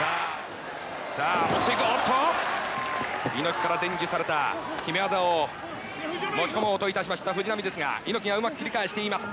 猪木から伝授された決め技を持ち込もうといたしました藤波ですが猪木がうまく切り返しています。